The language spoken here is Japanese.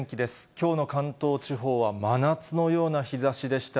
きょうの関東地方は、真夏のような日ざしでした。